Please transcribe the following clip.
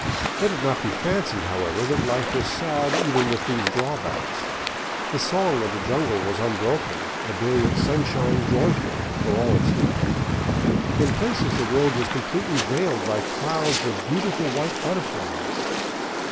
Let it not be fancied, however, that life was sad even with these drawbacks. The song of the jungle was unbroken, the brilliant sun shine joyful, for all its heat. In places the road was completely veiled by clouds of beautiful white butterflies.